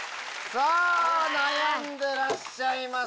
さあ悩んでらっしゃいます。